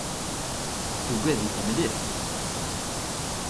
Tugad-it mliḥ.